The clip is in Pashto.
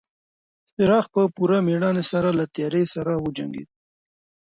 څراغ په پوره مېړانه سره له تیارې سره وجنګېد.